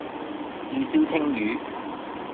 照燒鯖魚